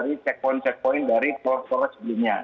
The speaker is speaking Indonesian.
kita sudah membuat checkpoint checkpoint dari polres sebelumnya